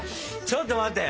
ちょっと待って。